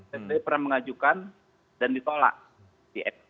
saya sendiri pernah mengajukan dan ditolak di mk